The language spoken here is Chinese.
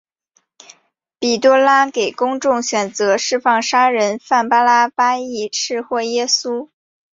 比拉多给公众选择释放杀人犯巴辣巴抑或是耶稣。